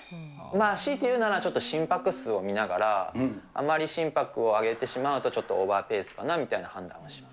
強いて言うなら、心拍数を見ながら、あまり心拍を上げてしまうと、ちょっとオーバーペースかなみたいな判断をします。